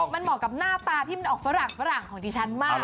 มันเหมาะกับหน้าตาที่มันออกฝรั่งของดิฉันมาก